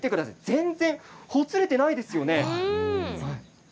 全然ほつれていないですよね。